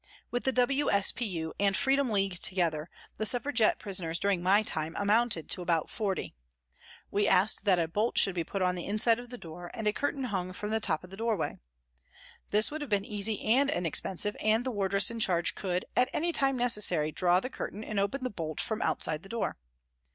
With the W.S.P.U. and Freedom League together the Suffragette prisoners during my time amounted to about forty. We asked that a bolt should be put on FROM THE CELLS 181 the inside of the door, and a curtain hung from the top of the doorway. This would have been easy and inexpensive, and the wardress in charge could, at any time necessary, draw the curtain and open the bolt from outside the door.